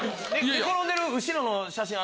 寝転んでる後ろの写真。